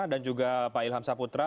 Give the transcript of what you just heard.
dan juga pak ilham saputra